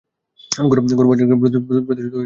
গৌরব বজায় রাখতে প্রতিশোধ নিতে হয়।